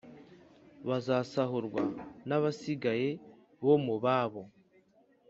Bazasahurwa n abasigaye bo mubabo